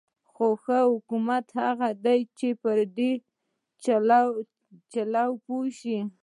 خو ښه حکومت هغه دی چې په دې چل پوه شي.